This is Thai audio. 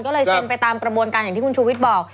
ก็เลยเซ็นไปตามกระบวนการอย่างที่คุณชูวิทย์บอก